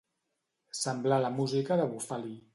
Semblar la música de Bufali.